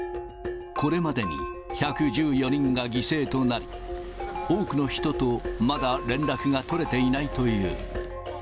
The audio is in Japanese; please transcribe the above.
これまでに１１４人が犠牲となり、多くの人とまだ連絡が取れていないという。